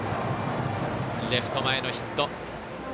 レフト前のヒット。